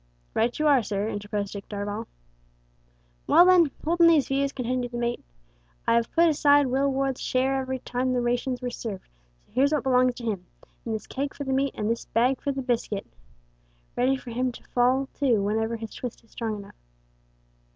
"Right you are, sir," interposed Dick Darvall. "Well, then, holdin' these views," continued the mate, "I have put aside Will Ward's share every time the rations were served, so here's what belongs to him in this keg for the meat, and this bag for the biscuit ready for him to fall to whenever his twist is strong enough."